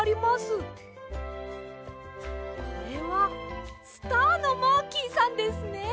これはスターのマーキーさんですね。